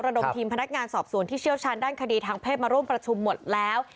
ดมทีมพนักงานสอบสวนที่เชี่ยวชาญด้านคดีทางเพศมาร่วมประชุมหมดแล้ว